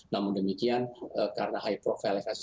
namun demikian karena high profiles